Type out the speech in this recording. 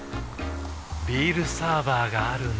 ビールサーバーがある夏。